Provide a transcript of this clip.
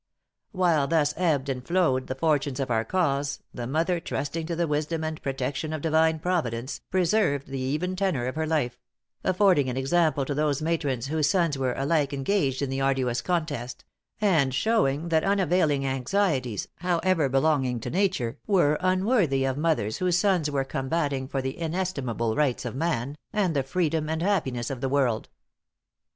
While thus ebbed and flowed the fortunes of our cause, the mother, trusting to the wisdom and protection of Divine Providence, preserved the even tenor of her life; affording an example to those matrons whose sons were alike engaged in the arduous contest; and showing that unavailing anxieties, however belonging to nature, were unworthy of mothers whose sons were combating for the inestimable rights of man, and the freedom and happiness of the world."